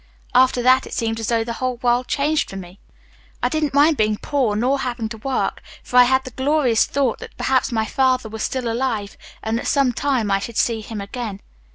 After that it seemed as though the whole world changed for me. I didn't mind being poor, nor having to work, for I had the glorious thought that perhaps my father was still alive and that some time I should see him again.